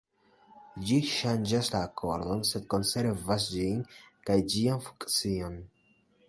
Ĝi ŝanĝas la akordon, sed konservas ĝin kaj ĝian funkcion.